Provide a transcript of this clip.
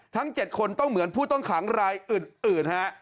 ทั้ง๗คนต้องเหมือนผู้ต้องขังรายอื่นฮะ